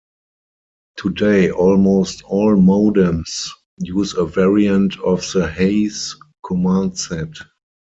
Today almost all modems use a variant of the Hayes command set.